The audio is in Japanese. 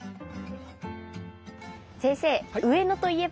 先生上野といえば。